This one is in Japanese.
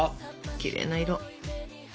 きれいな色。